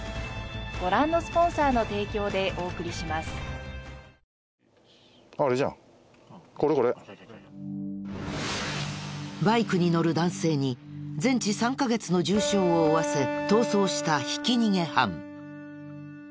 容疑者確保のバイクに乗る男性に全治３カ月の重傷を負わせ逃走したひき逃げ犯。